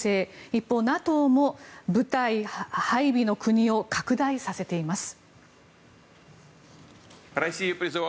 一方、ＮＡＴＯも部隊配備の国を拡大させています。